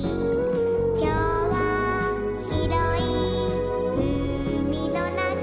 「きょうはひろいうみのなか」